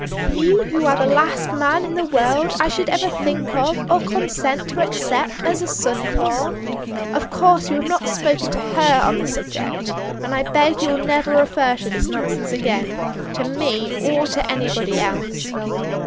— you who are the last man in the world I should ever think of, or consent to accept as a son in law. Of course you have not spoken to her on the subject, and I beg that you will never refer to this nonsense again, to me, or to anybody else."